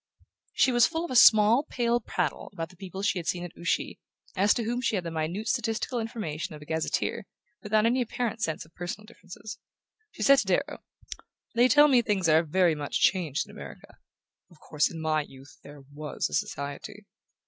She was full of a small pale prattle about the people she had seen at Ouchy, as to whom she had the minute statistical information of a gazetteer, without any apparent sense of personal differences. She said to Darrow: "They tell me things are very much changed in America...Of course in my youth there WAS a Society"...